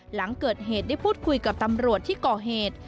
หลังเกิดเหตุได้พูดคุยกับตำรวจที่ก่อเหตุ